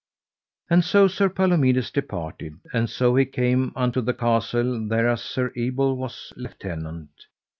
And so Sir Palomides departed, and so he came unto the castle thereas Sir Ebel was lieutenant.